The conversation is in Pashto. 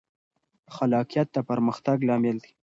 خلاقیت د پرمختګ لامل دی.